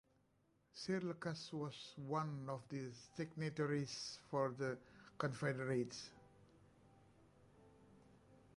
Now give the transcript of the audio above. Sir Lucas was one of the signatories for the Confederates.